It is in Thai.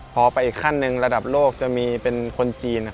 พอไปอีกขั้นหนึ่งระดับโลกจะมีเป็นคนจีน